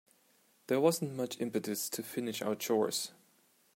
There wasn't much impetus to finish our chores.